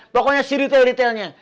pokoknya si ritel ritelnya